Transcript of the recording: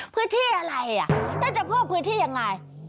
พื้นที่อะไรน่าจะเพิ่มพื้นที่ยังไง